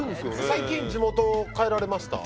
最近地元帰られました？